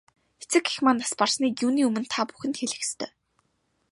Эцэг эх маань нас барсныг юуны өмнө та бүхэнд хэлэх ёстой.